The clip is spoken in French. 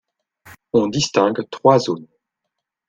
On distingue trois zones.